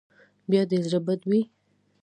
بیا دې زړه بدې وي.